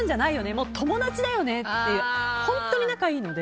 もう友達だよね！っていう本当に仲がいいので。